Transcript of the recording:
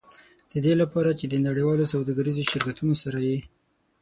د دې لپاره چې د نړیوالو سوداګریزو شرکتونو سره یې.